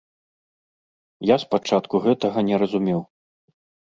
Я спачатку гэтага не разумеў.